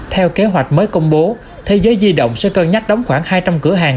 theo kế hoạch mới công bố thế giới di động sẽ cân nhắc đóng khoảng hai trăm linh cửa hàng